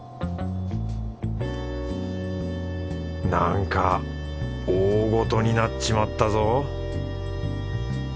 なんか大ごとになっちまったぞ